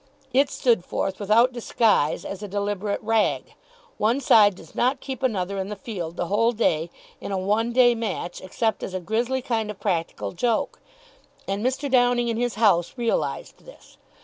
It stood forth without disguise as a deliberate rag. One side does not keep another in the field the whole day in a one day match except as a grisly kind of practical joke. And Mr. Downing and his house realised this.